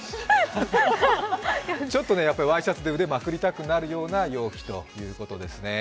ちょっとワイシャツで腕をまくりたくなるような陽気ということです。